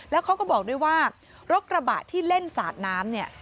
แล้วเขาก็บอกด้วยว่ารถกระบะที่เล่นสาดน้ำเนี่ย